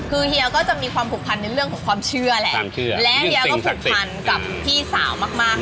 เฮียก็จะมีความผูกพันในเรื่องของความเชื่อแหละและเพราะแบบผูกพันต่อเกี่ยวกับพี่สาวมากเกินกัน